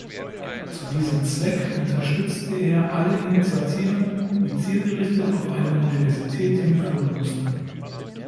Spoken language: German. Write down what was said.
Zu diesem Zweck unterstützte er alle Initiativen, die zielgerichtet auf eine Universität hinführen mussten.